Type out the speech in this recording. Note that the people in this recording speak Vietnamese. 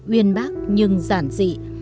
uyên bác nhưng giản dị